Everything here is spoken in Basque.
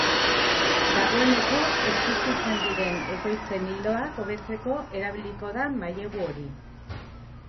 Dagoeneko existitzen diren ekoizpen ildoak hobetzeko erabiliko da mailegu hori.